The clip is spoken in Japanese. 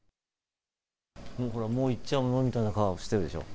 ほら、もう行っちゃうのみたいな顔してるでしょ？